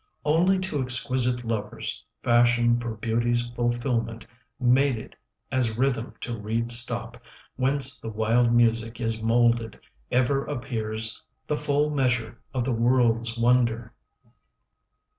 Only to exquisite lovers, Fashioned for beauty's fulfilment, Mated as rhythm to reed stop 15 Whence the wild music is moulded, Ever appears the full measure Of the world's wonder.